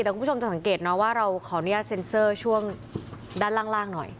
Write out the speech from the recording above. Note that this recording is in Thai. แต่คุณผู้ชมจะสังเกตนะว่าเราขออนุญาตเซ็นเซอร์ช่วงด้านล่างหน่อย